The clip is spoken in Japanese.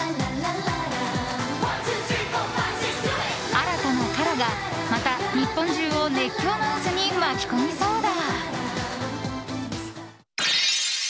新たなＫＡＲＡがまた日本中を熱狂の渦に巻き込みそうだ。